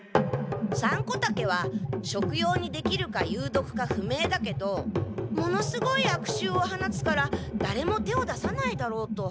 サンコタケは食用にできるか有毒か不明だけどものすごい悪臭を放つからだれも手を出さないだろうと。